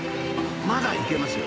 まだ行けますよ。